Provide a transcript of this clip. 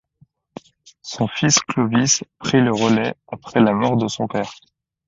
Son fils Clovis pris le relais après la mort de son père.